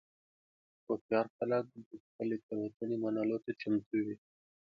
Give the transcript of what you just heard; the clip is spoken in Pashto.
هوښیار خلک د خپلې تېروتنې منلو ته چمتو وي.